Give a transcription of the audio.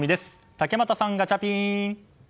竹俣さん、ガチャピン。